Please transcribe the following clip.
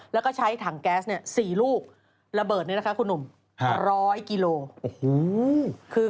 แล้วก็ใช้ถังแก๊ส๔ลูกระเบิดนี่นะคะคุณหนุ่ม๑๐๐กิโลกรัม